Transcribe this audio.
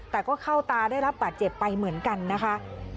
แต่ก็เข้าตาได้รับบาดเจ็บไปเหมือนกันนะคะ